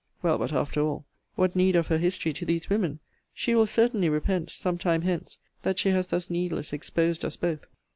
Well, but after all, what need of her history to these women? She will certainly repent, some time hence, that she has thus needless exposed us both.